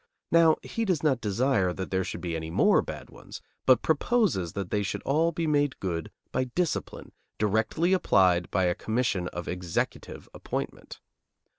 Now he does not desire that there should be any more bad ones, but proposes that they should all be made good by discipline, directly applied by a commission of executive appointment.